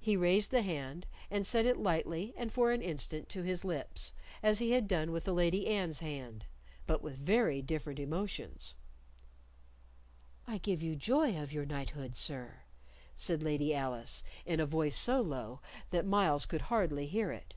He raised the hand, and set it lightly and for an instant to his lips, as he had done with the Lady Anne's hand, but with very different emotions. "I give you joy of your knighthood, sir," said Lady Alice, in a voice so low that Myles could hardly hear it.